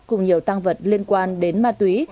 cùng nhiều tăng vật liên quan đến ma túy